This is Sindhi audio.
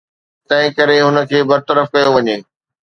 تنهنڪري هن کي برطرف ڪيو وڃي